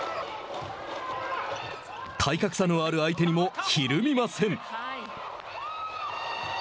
体格差のある相手にもひるみません。